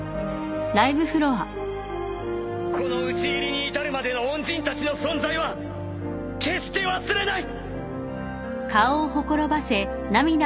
この討ち入りに至るまでの恩人たちの存在は決して忘れない！